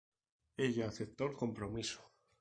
Ella aceptó el compromiso.